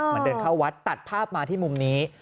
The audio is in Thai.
เหมือนเดินเข้าวัดตัดภาพมาที่มุมนี้